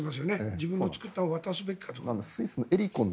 自分の作ったのを渡すべきかどうか。